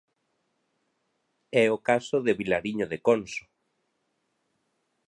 É o caso de Vilariño de Conso.